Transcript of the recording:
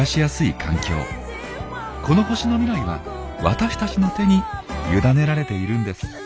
この星の未来は私たちの手に委ねられているんです。